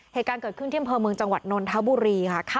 เหตุการณ์เกิดขึ้นที่อำเภอเมืองจังหวัดนนทบุรีค่ะ